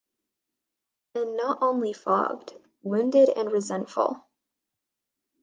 And not only fogged — wounded and resentful.